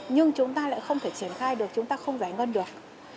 nhưng chúng ta lại không thể triển khai được chúng ta không giải ngân được